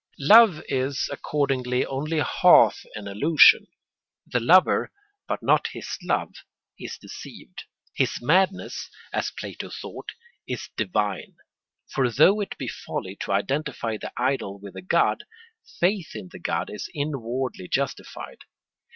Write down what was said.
] Love is accordingly only half an illusion; the lover, but not his love, is deceived. His madness, as Plato taught, is divine; for though it be folly to identify the idol with the god, faith in the god is inwardly justified.